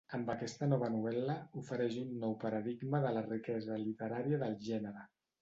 Amb aquesta nova novel·la ofereix un nou paradigma de la riquesa literària del gènere.